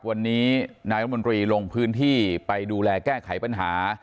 วันนี้นายรัฐมนตรีลงพื้นที่ไปดูแลแก้ไขปัญหา